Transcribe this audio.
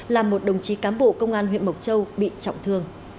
là một đồng chí cám bộ công an huyện mộc châu